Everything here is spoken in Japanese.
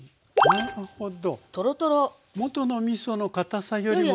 なるほど。